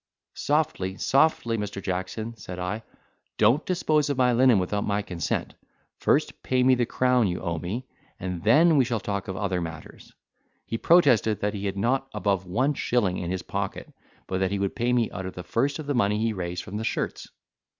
"Softly, softly, Mr. Jackson," said I; "don't dispose of my linen without my consent: first pay me the crown you owe me, and then we shall talk of other matters." He protested that he had not above one shilling in his pocket, but that he would pay me out of the first of the money raised from the shirts.